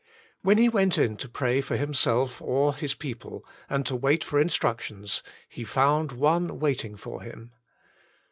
'' When he went in to pray for himself or his people, and to wait for instructions, he found One waiting for him.